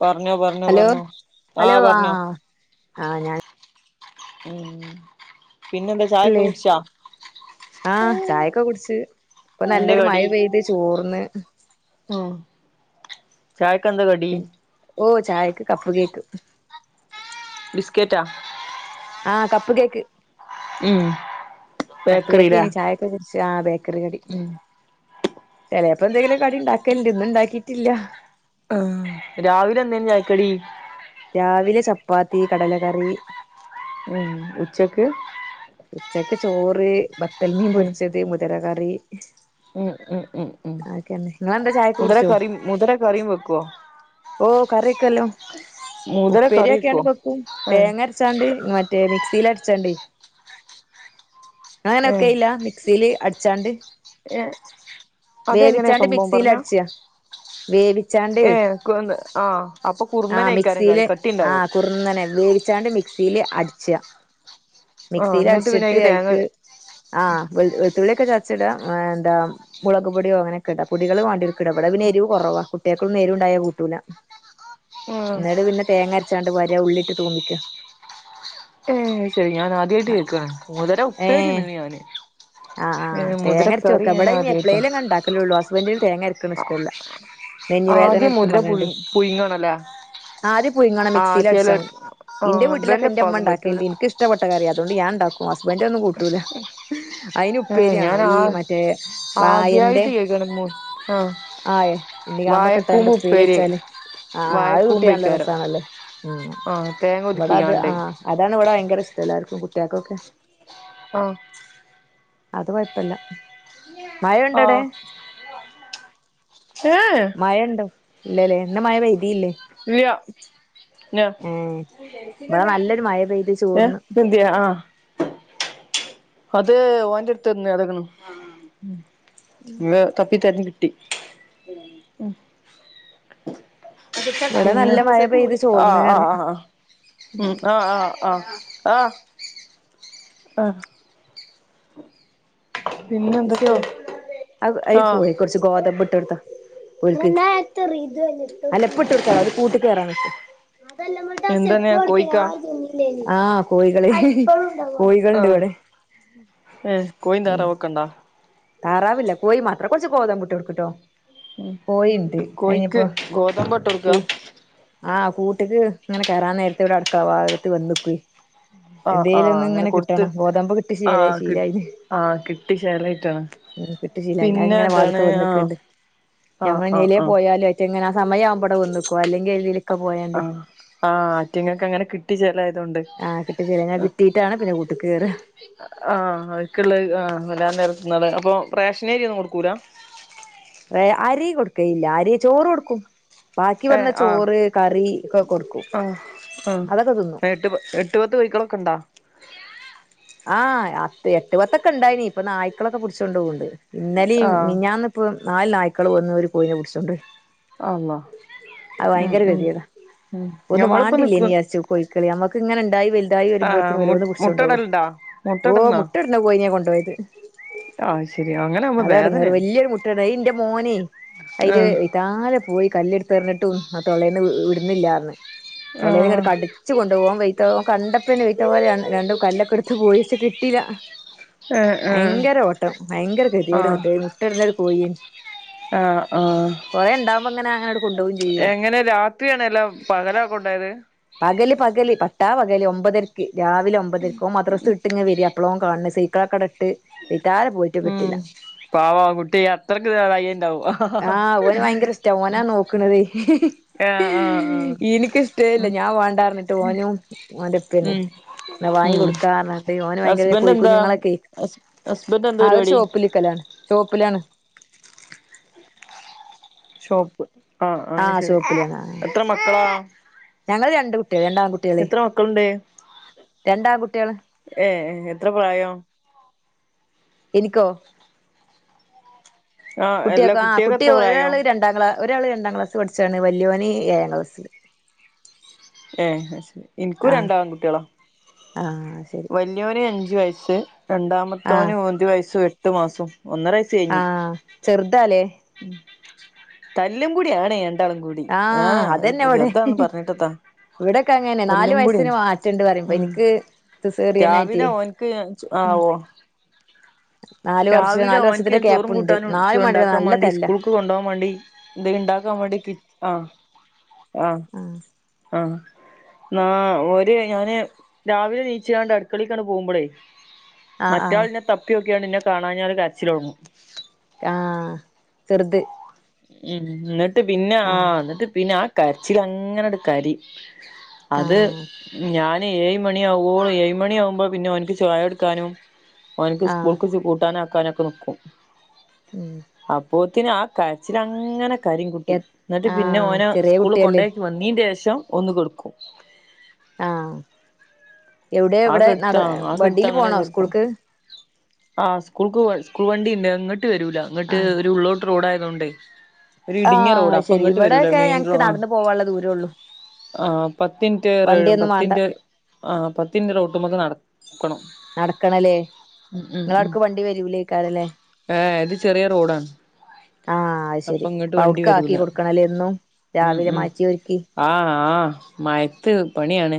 പർ ഞ്ഞോ പർ ഞ്ഞോ hello പർ ഞ്ഞോ ആഹ് പർ ഞ്ഞോ? ആഹ് ഉം പിന്നെന്താ ചായൊക്കെ ഞാനല്ലേ കുടിച്ചാ ആഹ് ചായൊക്കെ കുടിച്ചു ഇപ്പൊ എന്താ നല്ലൊരു മഴ പെയ്ത് ചോർന്ന് ഉ ചായ് ക്കന്താ കടി പി ഓ ചായക്ക് കപ്പ് കേക്ക് ബിസ്കേറ്റാ ആഹ് കപ്പ് കേക്ക് ഉം കപ്പ് കേക്കി ബേക്കറിലാ ഇനി ചായൊക്കെ കുറച്ച് ആ ബേക്കറി കടി ഉം ചിലപ്പോന്തെങ്കിലും കടി ഇണ്ടാക്കല്ണ്ട് ഇന്ന്ണ്ടാക്കിയിട്ടില്ല. അഹ് രാവിലെ എന്തേനു ചായക്കടി? രാവിലെ ചപ്പാത്തി കടല കറി. ഉച്ചയ്ക്ക് ഉച്ചക്ക് ചോറ് ബത്തൽമീൻ ഉം പൊരിച്ചത് മുതര കറി. ഉം ഉം ഉം ഉ അതൊക്കെന്നെ നിങ്ങളെന്താ ചായക്ക് മുതര കറിം മുതര കറിയും വെക്കുവോ? ഓഹ് കറിക്കല്ലോ മുതിര ഉപ്പേരി കറി ഒക്കെയാണ് വെക്കോ വെക്കും ആഹ് തേങ്ങര.. ച്ചാണ്ട് മറ്റേ മിക്സിൽ അടിച്ചാണ്ട് ഏഹ് നാനൊക്കെയില്ല മിക്സിയില് അടിച്ചാണ്ട്. ഏഹ് അതെങ്ങനെ വേവിച്ചാണ്ട് സംഭവം മിക്സിൽ പറഞ്ഞോ അടിച്ചേയ വേവിച്ചാണ്ടെ ഏഹ് ആഹ് അപ്പൊ ആ കുറുന്നനേക്കാരം കറി മിക്സിയില് കട്ടിണ്ടാവും ആഹ് കു റുന്നനെ വേവിച്ചാണ്ട് മിക്സിൽ അടിച്ചാ ആഹ് മിക്സിൽ എന്നിട്ട് പിന്നെ അടിച്ചിട്ട് അയ്ക്ക് തേങ്ങ ആഹ് വെളുത്തുള്ളിയൊക്കെ ചതച്ചിടാ എന്താ? മുളക് പൊടിയോ അങ്ങനൊക്കെട പൊടികൾ വണ്ടിടുക്കടവിടെപിന്നേരിവ കുറവാ കുട്ടികൾക് നേരു ഉണ്ടായാ കൂട്ടൂല ആഹ് ന്നട് പിന്നെ തേങ്ങ അരച്ചാണ്ട് പാരെ ഉള്ളിട്ട് തൂമ്പിക്ക ഏ ഹ് ശരി ഞാൻ ആദ്യായിട്ട് കേക്കണ് മുതര ഉപ്പേരിന്ന്ണ് ഞാന്. ആഹ് ഏ ആഹ് തേ മുതിര അരച്ചു കറി വെക്ക ഞാൻ ഇവിടെ ഇനി ആദ്യായിട്ടാ എപ്പഴേലും കണ്ടാക്കലേള്ളൂ ഹസ്ബന്റിന് തേങ്ങ അരയ്ക്കണ ഇഷ്ടല്ല. മെനിവേദന ആദ്യം എടുക്കും മുതിര പറഞ്ഞിണ്ട്. പുഴു പുഴുങ്ങണല്ലേ ആദ്യ പുയിങ്ങണ ആഹ് മിക്സിൽ അടിച്ചാ ചെലർ എന്റെ ആഹ് വീട്ടിലൊക്കെ ഇബന്റെ എന്റെ അമ്മ ഇപ്പാക്കും പറ്റൂല ഉണ്ടാക്കേണ്ട്നിക്ക ഇഷ് കട്ട കയറി അതൊ ഞാൻണ്ടാക്കും ഹസ്ബന്റൊന്നും കൂട്ടൂല്ല. ഏ അതിന്പ്പേരിയാണോ ഞാൻ ഈ ആ മറ്റേ വായന്റെ ആദ്യായിട്ട് കേക്കാണ് മു ആഹ് ആയേ ഇനി ആമ്പോ വായക്കൂമ്പ് കെട്ടാണ്ട് ഫ്രീ ഉപ്പേരി വെച്ചാല്. ആഹ് ആആ കുട്ടിയാണല്ലേ വായക്കൂമ്പയ്ക്കാരം ബസാണല്ലേ ഉം ആഹ് തേങ്ങ ഇവിടെ അത് ഒതുക്കിക്കാണ്ട് ആഹ അതാണ് വിട ഭയര ഇഷ്ട എല്ലാർക്കും കുട്ടിയാക്കോക്കെ ഓഹ് അത് കുഴപ്പില്ല മയൊണ്ടൊടെ ആഹ് ഏ മയണ്ടോ? ഇല്ലല്ലേ ഇന്ന് മയ പയിതീല്ലേ. ഇ യ ഇവിടെ നല്ലൊരു മഴ പെയ്ത് ഏഹ് ചോർന്ന് എന്ത്യ ആ അത് ഓന്റെടുത്തുന്ന് കെടക്കണ്. ത് തപ്പി തെരഞ് കിട്ടി ഇവിടെ പിന്നേ നല്ല മഴ പെയ്ത് ചോർന്ന് ആഹ് ആ് പറയാ ആ് ആഹ ആഹ് ആഹ് ആഹ്. ആഹ് പിന്നെ ശ്യൊ എന്തൊക്കെയാ ആഹ് കൊറച്ച് ഗോത ബട്ടെടുത്താ അലപ്പെട്ട് കൊടുത്താള അല് കൂട്ടീ കെറാന്നൊക്കെ- എന്തന്നെയാ കോയിക്കാ ആഹ് കോഴികള് കോഴികളിണ്ട് ഇവിടെ. ഉം ഉം കോയിന്താറവൊക്കെണ്ടോ? താറാവില്ല കോയീ മാത്രം കൊറച്ച് ഗോതമ്പിട്ട് കൊട്ത്തിട്ട് വ ഉം കോയിണ്ട് കോയിക്ക് അയിനിപ്പം ഗോതമ്പ ഇട്ട് കൂ കൊടുക്കാ ആഹ് കൂട്ടിക്ക് ഇങ്ങനെ കയറാൻ നേരത്തെ ഇവിടെ അടുക്കള ഭാഗത്ത് വന്നക്ക് ആഹ് ആഹ് എന്തേലുംങ്ങനെ അങ്ങനെ ഇങ്ങനെ കൊടുത്ത് കിട്ടണം ഗോതമ്പ് കിട്ട് ശീല ആഹ് കി ശീലായി. ആഹ് കിട്ടി ശൈലായിട്ടാ.. ഉം കിട്ടിശീലായി തിങ്ങനെ വാതിക്ക വന്നക്കുണ്ട് ആഹ് ഞമ്മയിനി ആഹ് ആഹ് എയിലെപോയാലും മറ്റെങ്ങൊ സമയമാവുമ്പോടെന്നിക്കക്കോ അല്ലെങ്കിൽ എഴതിലൊക്കെ പോയേണ്ട്. ആഹ് ആഹ് അയ്റ്റങ്ങക്ക് അങ്ങനെ കിട്ടി ചേലായതോണ്ട് ആഹ് കിട്ടിശീലായി ന്നെ കിട്ടീയിട്ടാണ് പിന്നെ കൂട്ടിക്ക് കേറാ.. ആഹ് അക്കുള്ള ആ വല്ല നേരത്തിന്നാള് അപ്പൊ റാേഷനരിയൊ ന്നും കൊടുക്കൂല? റേ അരി കൊടുക്കയില്ല അരി ചോറൊടുക്കും ബാക്കി വന്ന ഏഹ് ആഹ് ചോറ് കറി ക്ക കൊടുക്കും ആഹ് ആഹ് അതൊക്കെ തിന്നും എഎട്ട് പ എട്ട് പത്ത് കൊയ്ക്കളൊക്കണ്ടോ? ആഹ് അത്ത് എട്ട് പത്തൊക്കെ ണ്ടായിനീ പ്പൊ നായ്ക്കളൊക്ക പുടിച്ച് കൊണ്ടോണ്ട് ഇന്നലേം ആഹ് മിഞ്ഞാന്ന് പ്പൊ നാല് നായ്ക്കള് വന്ന് ഒര് കോയിന പിടിച്ചൊണ്ടോയ് അള്ളാ ആ ഉം ഭയങ്കര ഉം ഗതികേടാ ഉം ഒന്നും ഞമ്മളിപ്പോ നിക്ക് വാണ്ടില്ലായ്‌നി ചാര്ച്ചു കോയിക്കള് ഞമ്മക്ക് ങ്ങന ണ്ടായി വൽതായി ആഹ് വരുമ്പോത്തിന് മു ഓരോന്ന് പിടിച്ചൊണ്ടോവു മുട്ടടല്ണ്ടാ ഓ മുട്ടട്ന്നാ മുട്ടട്ന്ന കോയിനാ കൊണ്ടോയത് ആഹ് ശെരി അങ്ങനാവുമ്പോ അതടങ്ങേറ് വേദനേണ് വല്ല്യൊരു മുട്ടട് അയിന്റെ മോനെ അയിര് ആഹ് താലെ പോയി കല്ലെട്ത്തെറിഞ്ഞിട്ടും അ തൊള്ളേന്ന് വ് വിട്ന്നില്ലാർഞ്ഞ് തൊള്ളേലെക്കട്ട് ആഹ് കട് ച്ച് കൊണ്ടു പോകും ഓം വെയ്ത്ത ഓം കണ്ടപ്പെന്നെ വെയത്ത പോല ര രണ്ടും കല്ലൊക്കെട്‌ത്ത് പോയ്ച്ച് കിട്ടീല ഏഹ് ഏഹ് ഭയങ്കര ഓട്ടം ഭയങ്കര ആഹ് [unintelligible] മുട്ടട്ന്നൊരു കോയേനി ആഹ് ആ ഇങ്ങനെ അങ്ങനാണ്ട് കൊണ്ടോവും ചെയ്യും എങ്ങനെ രാത്രിയണലൊ പകലാ കൊണ്ടോയത്? പകല് പകല് പട്ടാ പകല് ഒമ്പതര്ക്ക് രാവില ഒമ്പതര്ക്ക് ഓം മദ്റസ് ട്ട് ങ്ങ് വരാ അപ്പളോം കാണ് സീക്കളക്കടട്ട് വൈത്താലെ പോയി ഉം പാവാ കുട്ടി അത്രക്ക് [unintelligible] ണ്ടാവും അഹ് ആഹ് ഓന് ഭയങ്കരസ്റ്റാ ഓനാ നോക്ക്ണത് ആഹ് ആഹ് ആഹ് ഇനിക്കിഷ്ടേല്ല ഉം ഞാം വേണ്ടാർഞ്ഞിട്ട് ഓനും ഓന്റുപ്പെന്നെ ഉം നെ വാങ്ങി ഉം കൊടുക്കാർഞ്ഞിട്ട് ഓന് ഭയങ്കര ഹസ്ബൻഡ് കോയി എന്താ കുഞ്ഞുങ്ങളൊക്കെ ഹസ് ഹസ്ബൻഡ് എന്താ ആ ഒരു പരിപാടി ഷോപ്പില് ക്കലാണ് ഷോപ്പിലാണ് ഷോപ്പ് ആ ആഹ് ശരി. ഷോപ്പിലാണ് ആ എത്ര മക്കളാ? ഞങ്ങള് രണ്ട് കുട്ട്യള് രണ്ടാൺകുട്ട്യള് എത്ര മക്കളുണ്ട് രണ്ടാൺകുട്ട്യള് ഏഹ് എ എത്ര പ്രായം? എനിക്കോ? ആഹ് എല്ലാ കുട്ട്യേക്കൊ? ആ കുട്ടികൾക്ക് കുട്ടി എത്ര പ്രായം ഒരാള് രൺ ണ്ടാം ക്ലാ ഒരാള് രണ്ടാം ക്ലാസ്സ് വട്ച്ചാണ് വല്ല്യോന് ഏയാം ക്ലസ്സില് ഏഹ് അശെ ഇനിക്കും ആഹ് രണ്ടാങ്കുട്ട്യളാ ആഹ് ശരി വല് ല്യോന് അഞ്ചു വയസ്സ് ആഹ് രണ്ടാമത്തോന് ഒതു വയസ്സും എട്ട് മാസൊ ഒന്നരയസ് ത്ത് യിഞ് ആഹ് ചെറുതാലേ തല്ലും പുടി ആണെ ണ്ടാളും കൂടി ആഹ് അഅ്പ ചെർതാന്ന് പർഞ്ഞിട്ടെത്താ വിടൊക്കങ്ങനെ നാല് വയസ്സിന് മാറ്റണ്ട് ഉം പറീമ്പെനിക്ക് സ് രാവിലെ സ്സേറിയാനായ്റ്റേ ഓൻക്ക് ഉം രാവില നാല് ഓൻക്ക് വർഷത്തിന്റെ ഞാൻ ചോറും ഗ്യാപ്പുണ്ട് കൂട്ടാനും ന്നാലും [unintelligible] മാണ്ടില്ല ണ്ടാക്കാൻ നല്ല മാണ്ടി തല്ലാ സ്കൂൾക്ക് ക്ക് കൊണ്ടോം വേണ്ടി ന്തെങ്കി ണ്ടാക്കാം വേണ്ടി കി ആഹ് അ ആഹ് ആഹ് നാ ഒര് ഞാന് രാവില നീച്ച്കാണ്ടട്ക്കളെൽക്കാണ് പോകുമ്പളേ ആഹ് മറ്റെ ആഹ് ആൾന്നെ തപ്പി യൊക്കിയാണ് ന്നെ കാണാഞ്ഞാല് കരച്ചിലൊടങ്ങും ആഹ് ചെറ്ത് ഉം ന്നിട്ട് പിന്നെ ആ ആഹ് ന്നിട്ട് പിന്നാ കരച്ചില ങ്ങനെട് കരി അത് ആഹ് ഞാൻ ന്നെ ഏഴ്മണിയാവോളു ഏഴ് മണിയാകുമ്പോ പിന്നോന്ക്ക് ചായൊടുക്കാനും ഓന്ക്ക് ആഹ് സ്കൂൾക്ക് ച് കൂട്ടാനാ ക്കാനൊക്കെ ന്ക്കും ഊം അപ്പോത്തിന് ആ കരച്ചിലങ്ങന കരിം കുട്ടി എ ന്ന്ട്ട് പിന്നെ ആഹ് ഓന ചെറിയ സ്ക്കൂൾ കുട്ടിയല്ലേ കൊണ്ടോയ് വന്നീന്റേഷം ഒന്ന് കൊടുക്കും ആഹ് എവിടെയ ആ വിടെ നട വണ്ടീല് പോണോ സ്കൂൾക്ക്? ആഹ് സ്കൂൾക്ക് വ സ്കൂൾ വണ്ടിണ്ട്. ങ്ങട്ട് വരൂല ങ്ങട്ട് ആഹ് ഒരു ഉള്ളോ റോഡായതോണ്ടെ ഒരു ഇടിങ്ങിയ റോഡ ആഹ് ശരി അപ്പങ്ങട്ട് വരൂല ഇവിടെയൊക്കെ മെയിൻ റോ ഞങ്ങക്ക് ആ നടന്നു പോവാനുള്ള ദൂരള്ളൂ ആഹ് പത്തിൻറ്റ് റെ വണ്ടിയൊന്നും വാണ്ട പത്തിന്റ്റ് ആ പത്തിന്റ്റ് റോട്ടുമ്മക്ക് നടക്കണം നടക്കണലേ? ഉം ഉം നിങ്ങള ഉം അടക്ക് വണ്ടി വരൂലേക്കാടല്ലേ ഏ ഇത് ചെറിയ റോഡാണ് ആഹ് അത് അപ്പൊ ശെരി ഇങ്ങട്ട് അപ്പ വണ്ടി ടുക്ക ആക്കി വരൂല കൊടുക്കണല്ലേ എന്നും ഉം രാവിലെ ഉം മാറ്റി ഒരുക്കി ആ ആ മയത്ത് പണിയാണ്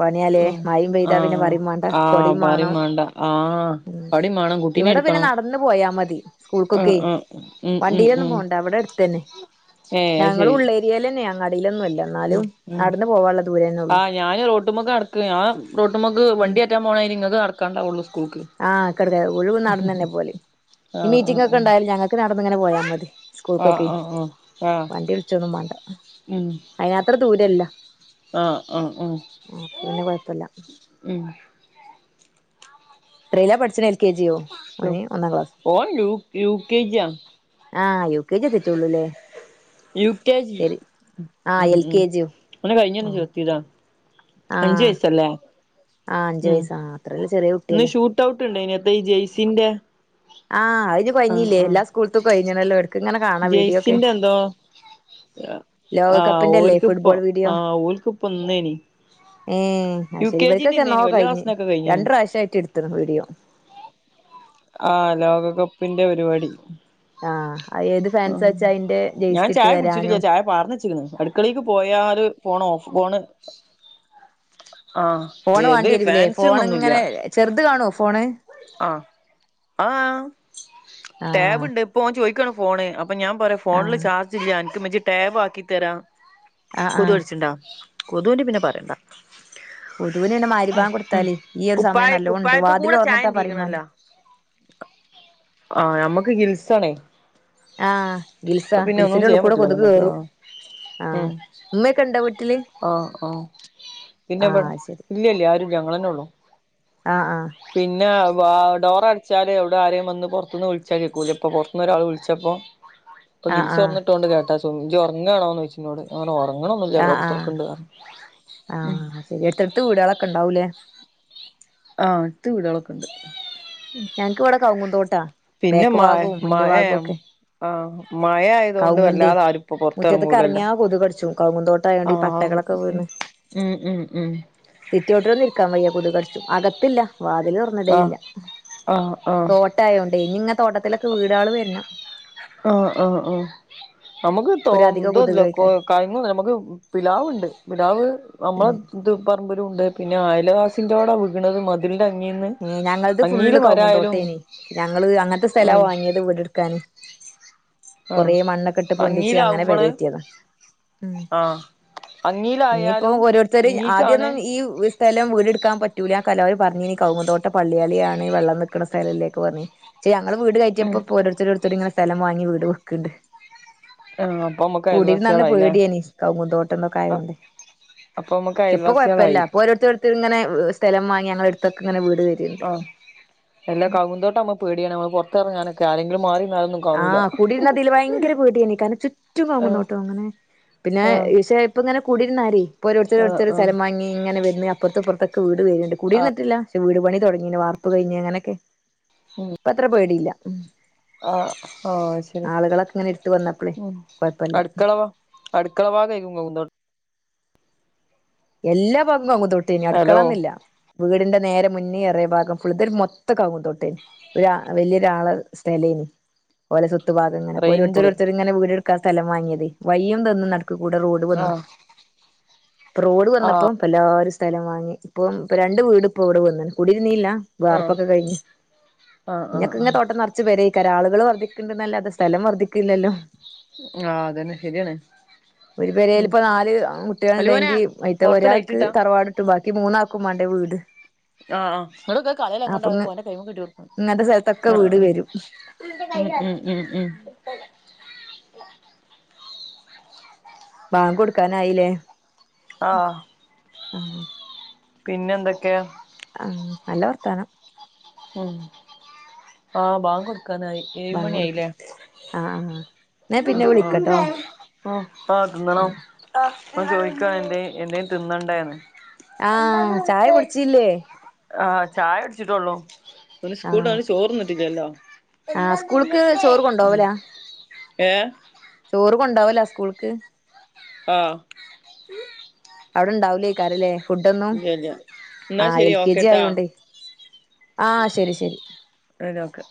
പണിയാലേ ഉ മഴയും പെയ്താ പിന്നെ ആഹ പറയും വേണ്ട ആഹ് കൊടയും പറി വേണം മേണ്ട ആ ഉം പണി മേണം കുട്ടീനെ ഇവിടെ പിന്നെ എടുക്കണം നടന്ന് പോയാ മതി ആ സ്കൂൾക്കൊക്കെ ആ ഉ ഉ ഉ വണ്ടിയിലൊന്നും പോണ്ട ഇവിടെ ഏയ് ശരി ഇതിയൽ തന്നെ നടി ലൊ ന്നുമല്ല എന്നാലും അടുന്ന് പോവാനുള്ളദൂ രേന്നെ ഉള്ളൂ ഞാൻ റോട്ടുമുക്ക് നടക്ക ഞാൻ റോട്ടുമുക്ക് വണ്ടികേ റ്റാൻ പോണയി നിങ്ങൾക്ക് നടക്കാണ്ടാവുള്ളൂ സ്കൂൾക്ക് ആഹ് കടക്ക ഒഴിവ് നടന്ന തന്നെ പോലെ ഈ ആഹ് മീറ്റിംഗ് ഒക്കെ ഉണ്ടായാല് ആഹ് ഞങ്ങൾക്ക് നടന്നിങ്ങെ നെ പോയാൽ മതി സ്കൂൾക്കൊക്കെ ആഹ് ആഹ് ആഹ് ആഹ് ആഹ് വണ്ടി വിളിച്ചൊന്നും വേണ്ട ഉം അയാത്ര ദൂരല്ല ആഹ് ആഹ് ഉ അപ്പൊ പിന്നെ കൊഴപ്പല്ല ഉ എത്രേലാ പഠിച്ചത് എൽ കെ ജിയോ ഇ നി ഒന്നാം ക്ലാസ് ഓൻ യു യു കെ ജി യാ ആ യു കെ ജെത്തിച്ചള്ളൂല്ലേ യുകെജി ആഹ് ഉം എൽ ഉം കെ ജിയോ ഇങ്ങനെ കഴിഞ്ഞങ്ങ് ആഹ് നിർത്തിയതാ അഞ്ചു വയസ്സല്ലേ ആ ഉം അഞ്ചുവയസ്സാ അത്രവലിയ ചെറിയ കുട്ടി ഇന്ന് ഷൂട്ട് ഔട്ട്ണ്ട് ഇണ്ടായിന് എത്ത ഈ ജെയ്സിന്റെ ആഹ് അത് ആഹ് കഴിഞ്ഞില്ലേ ആഹ് എല്ലാ സ്കൂള് ത്തും കഴിഞ്ഞണല്ലോ എടക്ക ഇങ്ങനെ കാണാം വീഡിയോ ഒക്കെ ആ ലോകകപ്പിന്റെ അല്ലേ ഓല്ക്ക്പ്പൊ ഫുട്ബോൾ ആ ഓല്ക്ക്പ്പൊ ഇന്നേനി മ്മ് അയ് യു ശരി കെ ജിന്റെ ഇവർക്കൊക്കെ എന്നോ ഇന്നേനി വല്യ കഴിഞ്ഞ് ക്ലാസ്സിനൊക്കെ കഴിഞ്ഞ്ണ് രണ്ട് പ്രാവിശ്യായിട്ട് എടുത്ത്ക്ക്ണ് വീഡീയോ ആഹ് ലോകകപ്പിന്റെ പരിപാടി ആഹ് ഏത് ആഹ് ഫാൻസാച്ചാ അയിന്റെ ജയ്സി ഇട്ട് വരാനും പാറന്ന്ച്ച്ണ് അടുക്കളേക്ക് പോയാല് ഫോൺ ഓഫ് ഫോണ് ആഹ് ഫോണ് ഏത് വാണ്ടി വരൂല്ലേ ഫോൺ ഫാൻസ്ന്ന്ഒന്നുംല്ല ഇങ്ങനെ ചെറുത് കാണോ ഫോണ് ആ ആഹ് ടേബ് ആഹ് ഇണ്ട് ഇപ്പോ ഓൻ ചോയിക്ക ഫോണ് അപ്പൊ ഞാൻ പറയാ ഫോണില് ആഹ് ചാർജ് ഇല്ല അനക്ക് മ്മച്ചി ടാബ് ആക്കി തരാം ആഹ് കൊതു ആഹ് അടിച്ചിണ് ണ്ടോ കൊതുൻ്റ പിന്നെ പറയണ്ടാ കൊതുവിന് പിന്നെ മഗ്‌രിബാങ്ക് ഉം കൊടുത്താല് ഈ ഒരു സമയം കുപ്പായ നല്ലോണ്ട് കുപ്പായത്ത് വാതില് കൂടെ ചായ ചി തൊറന്നിട്ടാ പറയും മാണ്ട ന്തീക്കണല്ലോ ആ ഞമ്മക്ക് ഗ്രിൽസാ ആണേ ആഹ് ഗ്രിൽസാ ഒന്നും ഗ്രിൽസിനുള്ളു ചെയ്യാൻ കൂടെ പറ്റില്ലല്ലോ കൊതുക് നമ്മക്ക് കേറും ആഹ് ആഹ് ഉം ഇമ്മക്കെ ഇണ്ടോ വീട്ടില് പിന്നെബടെ ആഹ് ശരി ഇല്ലല്ല ആരും ഇല്ല ഞള്ളന്നെ ഉള്ളൂ ആഹ് ആഹ് പിന്നെ ഡോറ് അടിച്ചാൽ എവിടെ ആരെയും വന്ന് പൊറത്ത്ന്ന് വിളിച്ചാൽ കേക്കൂല ഇപ്പോ പൊറത്ത്ന്ന് ഒരാൾ വിളിച്ചപ്പോൾ ഇപ്പ ആഹ് ഗ്രിൽസ് ആഹ് ഉറന്നിട്ടോണ്ട് കേട്ട സ ഇജ്ഉറങ്ങാണോന്ന് ഒയ്ച്ച് ഇന്നോട് ഞാൻ പറഞ്ഞു ഉറങ്ങണൊന്നുല്ല ആഹ് ഇവടെകുത്തിരി ക്ക്ണ് ണ്ട് ന്ന് ഉം എട്ത്ത് എട്ത്ത് വീടുകളൊക്കെണ്ടാവു ലേ ആഹ് എടുത്ത് വീടുകളൊക്കെ ഇണ്ട് ഞങ്ങക്ക് ഇവിടെ കൗങ്ങും തോട്ടാ ബേക്ക് മ ഭാഗവും മുന്ന് മഴ ഭാഗവും ഒക്കെ ആഹ് മഴ ആയതുകൊണ്ട് കൗങ്ങിന്റെ വല്ലാതെ ആരും ഇപ്പൊ മുറ്റത്ത് പുറത്തിറങ്ങൂലല്ലോ എറങ്ങിയാ കൊതുക് കടിച്ചും കൗങ്ങും തോട്ടം ആയോണ്ട് ഈ പട്ടക്കെ ആഹ് ഒക്കെവീണ് ഉം ഉം ഉം സിറ്റി ഔട്ടില് ഒന്നും ഇരിക്കാം വയ്യ കൊതക് കടിച്ചും അകത്തില്ല വാതില് ആഹ് തൊറന്ന്ടല്ഇല്ല ആഹ് ആഹ് തോട്ടയോണ്ട് ഇനി ഇങ്ങനെ തോട്ടത്തിലൊക്കെ വീടേള് വരണം ആഹ് ആഹ് ആഹ് നമുക്ക് തോ ഇപ്പൊരധിക ഇതല്ല കൊതുക് കൊ ഏക്കാരം കവുങ്ങ് നമുക്ക് പിലാവുണ്ട് പിലാവ് നമ്മളെ ഉം ഇത് പറമ്പലും ഉണ്ട് പിന്നെ അയലവാസിൻ്റോടെ വിക്ക്ണത് മതി ഏഹ് ഞങ്ങളത് ഫുള്ള് കവങ്ങും മരായാലും തോട്ടേന് ഞങ്ങള് അങ്ങനത്തെ സ്ഥല ഉം വാങ്ങിയത് വീട്ട് വെക്കാന് ആഹ് കൊറേ മണ്ണൊക്കെ ഇട്ട് പൊന്തിച്ച് അങ്ങനെ അങ്ങീലാവുമ്പോള് പെരകയറ്റിയതാ ഉം ആഹ് ഇനിയിപ്പോ അങ്ങീലായാലും ഓരോരുത്തര് ഇങ്ങീക്കാണ് ആദ്യാന്നും ഈ [unintelligible] സ്ഥലം വീട്ട്ക്കാൻ പറ്റൂല എലോരും പറഞ്ഞീന്നു കൗങ്ങും തോട്ടം പള്ളിയളിയാണ് വെള്ളംനിക്ക്ണ സ്ഥലലേക്കെ പറഞ്ഞ് പക്ഷേ ഞങ്ങള് ഉം വീട്കയറ്റേപ്പൊ ഓരോരുത്തര് ഒരോത്തര് സ്ഥലം വാങ്ങി വീട് വെക്ക്ണ്ട് ആഹ് അപ്പൊ നമ്മുക്ക് കുടിര്ന്നന്ന് അയൽവാസികളായില്ലേ പേടിയനി കൗങ്ങും തോട്ടംഒക്കെ ആയതോണ്ട് അപ്പൊ നമ്മുക്ക് പ്പൊ കൊഴപ്പല്ല അയൽവാസികളായി ഇപ്പൊ ഒരോര്ത്തര്ഓരോത്തര് ഇങ്ങനെ സ്ഥലം വാങ്ങി ഞങ്ങള അടുത്തൊക്കെ ഇങ്ങനെ വീട് വരിണ്ട് എല്ലാ കൗങ്ങുതോട്ടം ആകുമ്പോ പേടിയാണ് നമ്മള് പുറത്തി ഇറങ്ങാനൊക്കെ ആരെങ്കിലും മാറി കാണൂല ആഹ് കുടിരുന്ന അതില് ഭയങ്കര പേടിന്നു കാരണം ചു ചുറ്റും ആഹ് കൗങ്ങുംതോട്ടം അങ്ങനെ പിന്നെ ആഹ് ഇശേ ഇപ്പങ്ങനെ കുടിയിരുന്നാരെ ഇപ്പോ ഒരോര്ത്തര് ആഹ് ഓരോര്ത്തര് ആഹ് സ്ഥലം വാങ്ങി ഇങ്ങനെ വര്ന്ന് അപ്പുറത്തെപ്പുറത്തക്കെ വീട് വര്ന്ണ്ട് ആഹ് കുടയിരിന്നിട്ടില്ല പക്ഷേ വീട് പണി തുടങ്ങീന്നു വാപ്പ് കഴിഞ്ഞ് അങ്ങനൊക്കെ ഉം ഇപ്പൊ അത്ര പേടിയില്ല ആഹ് ഒ ശരി ആളുകളൊക്കെ ഇങ്ങനെ എടുത്ത് വന്നപ്പളേ ഉം കൊഴപ്പല്ല അടുക്കളോ അടുക്കള ഭാഗആയിക്കും കൗങ്ങും തോട്ടം എല്ലാ ഭാഗം കൗങ്ങും തൊട്ടേന്നു ഹലോ അടുക്കളന്നില്ല വീടിന്റെ നേരെ മുന്നേറിയ ഭാഗം ഫുളിത്ത മൊത്തം കൗങ്ങും തോട്ടേന്നു ഒരു അഹ് വലിയോരാള് സ്ഥലാര്ന്ന് പോലെ വലത്തു ഭാഗ ഇങ്ങനെപ്പോ റേഞ്ച് ഓരോത്തരോരുത്തർങ്ങനെ വീട്ടുക്കാ സ്ഥലം വാങ്ങി വൈയും തന്ന് നടക്കൂടെ റോഡ് വന്ന് ആഹ് ഇപ്പൊ റോഡ് വന്നപ്പോ ആഹ് എല്ലാ ഒരു സ്ഥലം വാങ്ങി ഇപ്പ ഇ രണ്ട് വീട് ഇപ്പൊ ഇവിടെ വന്നാണ് കുടിയിരുന്നീല്ല ആഹ് വാർപ്പൊക്കെ കഴിഞ്ഞ് ആഹ് ആഹ് ഇങ്ങക്കെ ഇങ്ങ ആഹ് തോട്ടം നിത്തി കുറച്ചു പേരെ ഈകരാ ആളുകൾ വർദ്ധിക്കണ്ടന്നല്ലാത സ്ഥലം വർധിക്കില്ലല്ലോ ആഹ് അതന്നെ ശരിയാണ് ഒരു പേരേൽ ഉം ഇപ്പ നാല് കുട്ടികൾ അലുമോനെ ഉണ്ടെങ്കി ആദ്യത്തെ പൊറത്ത് ഒരാൾക്ക് ലൈറ്റിട്ടാ തറവാട് ഇട്ടും ബാക്കി മൂന്ന് ആക്കും വേണ്ടേ വീട് ആഹ് ആ്ടൊക്കെ കളൽ അങ്ങോട്ട അപ്പൊ ഇങ്ങ ആന്റെ കൈം കിട്ടി കൊടുക്കുന്നു ഇങ്ങനത്തെ സ്ഥലത്തൊക്കെ ആഹ് വീട് ആഹ് വരും ഉം ഉം ഉം ഉം വാങ്ക് കൊടുക്കാനായില്ലേ ആഹ് ആഹ് പിന്നെ എന്തൊക്കെയാ ആഹ് നല്ല വർത്താനം ഉം ആഹ് വാങ്ക് കൊടുക്കന്നായി ഏഴ് ബാങ്ക് മണി കൊടുക്കാൻ ആയില്ലേ ആഹ് ആഹ് ന്നാ പിന്നെ വിളിക്കട്ടോ ആഹ് ആഹ് [unintelligible] [unintelligible] ചോദിക്കുവ എന്റെ എന്തയും തിന്നണ്ടായിന്ന് ആഹ് ചായ കുടിച്ചില്ലേ ആഹ് ചായ കുടിച്ചിട്ടള്ളൂ പിന്നെ സ്കൂലീനു ആഹ് വന്ന് ചോറ്ന്നിട്ടില്ലല്ലോ ആഹ് സ്കൂൾക്ക് ചോറ് കൊണ്ടോവലാ [unintelligible] ഏഹ് ചോറ് കൊണ്ടാവല്ലോ സ്കൂൾക്ക് ആഹ് അവിടെണ്ടാവലേ കരല്ലേ ഫുഡ് ഒന്നും ഇല്ല ഇല്ല എന്നാ ആഹ് ശരി എൽ കെ ജി ഓക്കെട്ടാ ആയോണ്ട് ആഹ് ശരി ശരി ഇതൊക്കെ